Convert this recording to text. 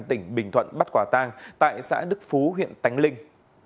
tỉnh bình thuận bắt quả tang tại xã đức phú huyện tánh linh